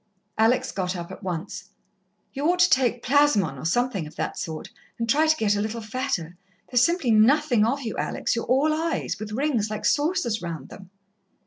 Alex got up at once. "You ought to take Plasmon, or something of that sort, and try to get a little fatter. There's simply nothing of you, Alex you're all eyes, with rings like saucers round them."